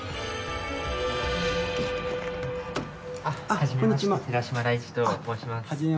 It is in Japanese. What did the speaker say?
はじめまして寺嶋大智と申します。